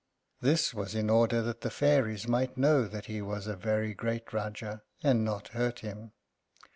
(This was in order that the fairies might know that he was a very great Rájá and not hurt him.)